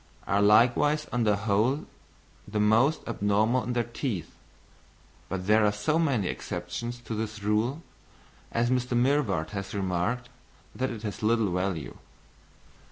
are likewise on the whole the most abnormal in their teeth, but there are so many exceptions to this rule, as Mr. Mivart has remarked, that it has little value.